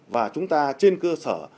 và chúng ta trên cơ sở